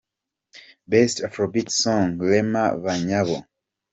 Best Afropop Song: Rema – Banyabo.